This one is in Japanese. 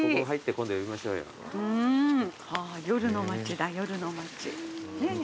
あぁ夜の街だ夜の街ねぇ。